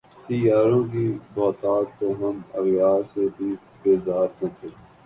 تھی یاروں کی بہتات تو ہم اغیار سے بھی بیزار نہ تھے